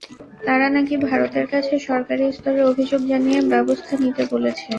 তারা নাকি ভারতের কাছে সরকারি স্তরে অভিযোগ জানিয়ে ব্যবস্থা নিতে বলেছে।